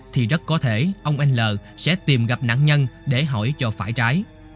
thì rất có thể ông l sẽ tìm gặp nạn nhân để hỏi cho phải trái